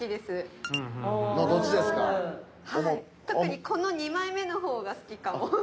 特にこの２枚目の方が好きかも。